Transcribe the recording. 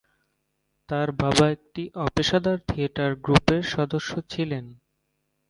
তার বাবা একটি অপেশাদার থিয়েটার গ্রুপের সদস্য ছিলেন।